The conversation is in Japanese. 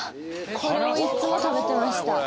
これをいっつも食べてました